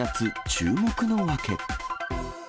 注目の訳。